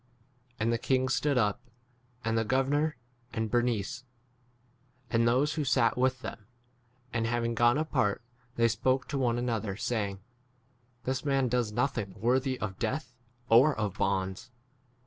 Andi the king stood up, and the gover nor and Bernice, and those who 31 sat with them, and having gone apart, they spoke to one another, saying, This man does nothing 32 worthy of death or of bonds.